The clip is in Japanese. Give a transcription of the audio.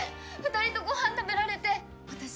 ２人とご飯食べられて私